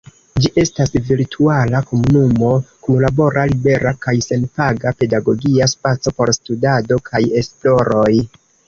Ĝi estas virtuala komunuma kunlabora libera kaj senpaga pedagogia spaco por studado kaj esploroj.